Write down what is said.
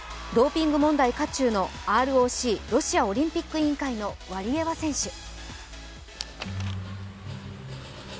ドーピング問題渦中のＲＯＣ＝ロシアオリンピック委員会のワリエワ選手。